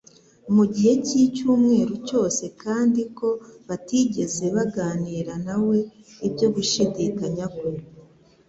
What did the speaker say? mu gihe cy'icyumweru cyose kandi ko batigeze baganira na we ibyo gushidikanya kwe.